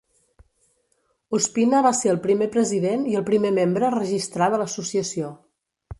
Ospina va ser el primer president i el primer membre registrar de l'associació.